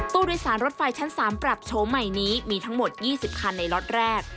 ตู้โดยสารรถไฟชั้น๓ปรับโฉมใหม่นี้มีทั้งหมด๒๐คันในล็อตแรก